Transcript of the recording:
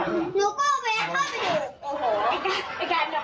โอเค